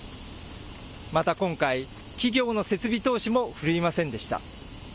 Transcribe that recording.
また今回、企業の設備投資も振るいませんでした。